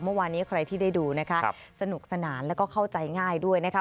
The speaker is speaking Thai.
เมื่อวานนี้ใครที่ได้ดูนะคะสนุกสนานแล้วก็เข้าใจง่ายด้วยนะคะ